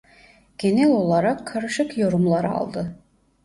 Genel olarak karışık yorumlar aldı.